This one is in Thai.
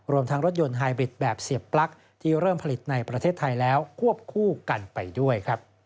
รวมทั้งรถยนต์ไฮบริดแบบเสียบปลั๊กที่เริ่มผลิตในประเทศไทยแล้วควบคู่กันไปด้วยครับ